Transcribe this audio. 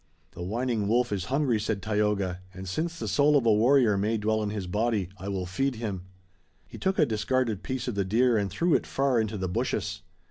"The whining wolf is hungry," said Tayoga, "and since the soul of a warrior may dwell in his body I will feed him." He took a discarded piece of the deer and threw it far into the bushes.